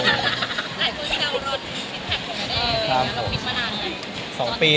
หลายคนจะเอารอดที่เป็นแพ็คของเธอเนี่ย